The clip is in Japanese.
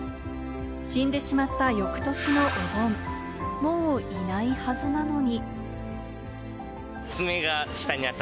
死んでしまった翌年のお盆、もういないはずなのに。